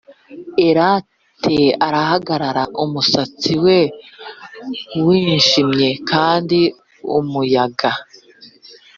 elate arahagarara; umusatsi we wijimye kandi umuyaga